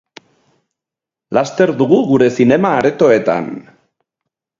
Laster dugu gure zinema-aretoetan!